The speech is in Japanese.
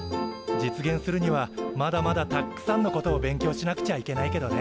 実現するにはまだまだたっくさんのことを勉強しなくちゃいけないけどね。